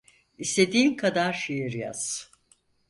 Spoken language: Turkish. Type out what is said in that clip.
İstediğin kadar şiir yaz…